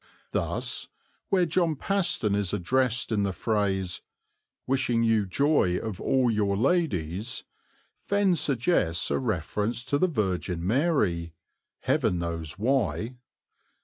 Thus, where John Paston is addressed in the phrase, "Wishing you joy of all your ladies," Fenn suggests a reference to the Virgin Mary, Heaven knows why.